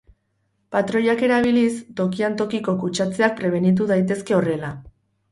Patroiak erabiliz, tokian tokiko kutsatzeak prebenitu daitezke horrela.